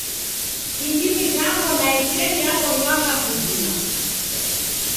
Ihi mizango naecheni yabonywagha kuzima.